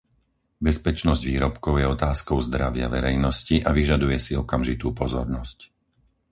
Bezpečnosť výrobkov je otázkou zdravia verejnosti a vyžaduje si okamžitú pozornosť.